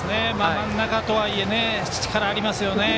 真ん中とはいえ力がありますよね。